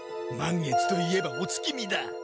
満月といえばお月見だ。